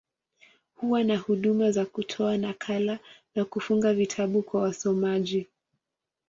Huwa na huduma za kutoa nakala, na kufunga vitabu kwa wasomaji.